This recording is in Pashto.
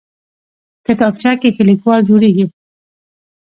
کتابچه کې ښه لیکوال جوړېږي